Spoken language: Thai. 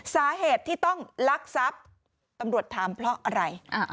สาเหตุที่ต้องลักทรัพย์ตำรวจถามเพราะอะไร